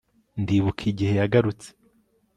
Ndibuka igihe yagarutse